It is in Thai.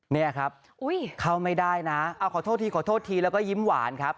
เนี่ยครับเข้าไม่ได้นะขอโทษทีขอโทษทีแล้วก็ยิ้มหวานครับ